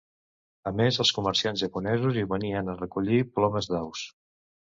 A més, els comerciants japonesos hi venien a recollir plomes d'aus.